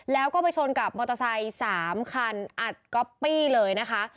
แล้วก็ไปชนกับมอเตอร์ไซค์๓คันอัดก๊อปปี้เลยนะคะ